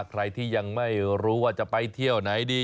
ใครที่ยังไม่รู้ว่าจะไปเที่ยวไหนดี